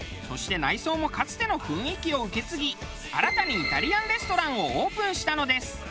そして内装もかつての雰囲気を受け継ぎ新たにイタリアンレストランをオープンしたのです。